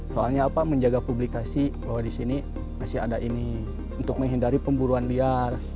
soalnya apa menjaga publikasi bahwa di sini masih ada ini untuk menghindari pemburuan liar